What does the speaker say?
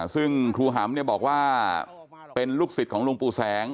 ซึ่งครูหำบอกว่าเป็นลูกศิษย์ของหลวงปู่แสง